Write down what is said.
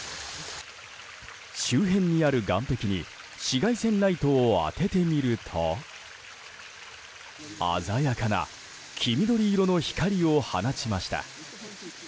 周辺にある岸壁に紫外線ライトを当ててみると鮮やかな黄緑色の光を放ちました。